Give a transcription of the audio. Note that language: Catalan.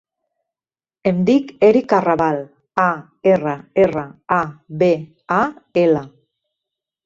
Em dic Eric Arrabal: a, erra, erra, a, be, a, ela.